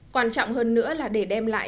quan trọng hơn nữa là để đem lại